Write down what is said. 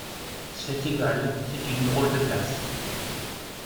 C’est égal, c’est une drôle de place !